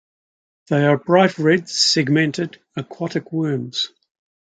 They are bright red, segmented, aquatic worms.